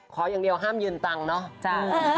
ขออย่างเดียวห้ามยืนตังค์เนาะ